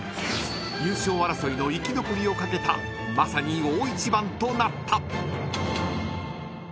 ［優勝争いの生き残りをかけたまさに大一番となった］